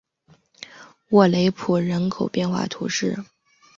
沃雷普人口变化图示